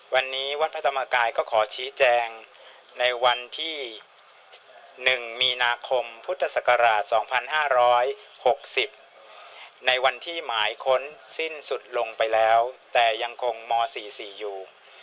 วันนี้วัดพระธรรมกายก็ขอชี้แจงในวันที่๑มีนาคมพุทธศักราช๒๕๖๐ในวันที่หมายค้นสิ้นสุดลงไปแล้วแต่ยังคงม๔๔อยู่